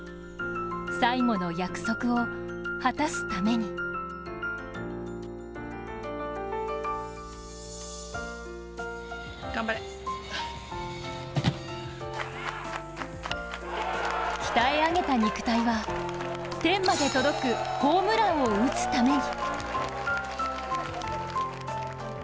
最後の約束を果たすために鍛え上げた肉体は天まで届くホームランを打つために。